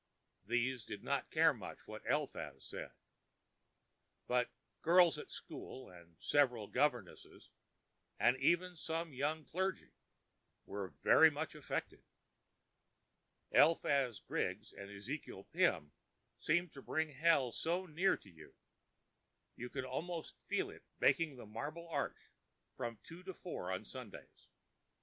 These did not care very much what Eliphaz said. But girls at school, and several governesses, and even some young clergy, were very much affected. Eliphaz Griggs and Ezekiel Pim seemed to bring Hell so near to you. You could almost feel it baking the Marble Arch from two to four on Sundays.